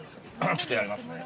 ちょっとやりますね。